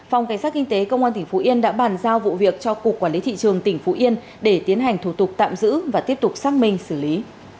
phòng cảnh sát kinh tế công an tỉnh phú yên đã bàn giao vụ việc cho cục quản lý thị trường tỉnh phú yên để tiến hành thủ tục tạm giữ và tiếp tục xác minh xử lý